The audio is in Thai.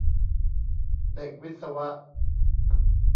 เด็กวิศวะ